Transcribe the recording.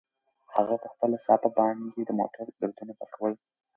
هغه په خپله صافه باندې د موټر ګردونه پاکول.